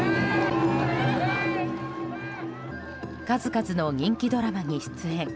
数々の人気ドラマに出演。